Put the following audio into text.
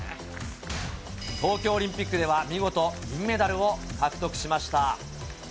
東京オリンピックでは見事、銀メダルを獲得しました。